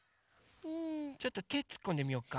ちょっとてつっこんでみようか。